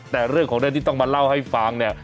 แต่เรื่องของเรื่องที่ต้องมาเล่าให้ฟังเนี่ย